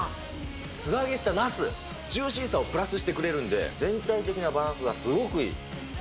素揚げしたナス、ジューシーさをプラスしてくれるので、全体的なバランスがすごくいい。